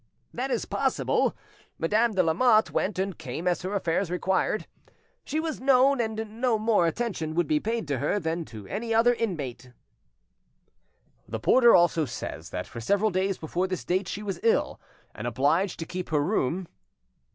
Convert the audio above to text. "That is possible. Madame de Lamotte went and came as her affairs required. She was known, and no more attention would be paid to her than to any other inmate." "The porter also says that for several days before this date she was ill, and obliged to keep her room?"